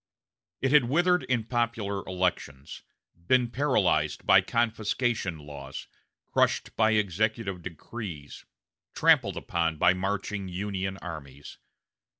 It had withered in popular elections, been paralyzed by confiscation laws, crushed by executive decrees, trampled upon by marching Union armies.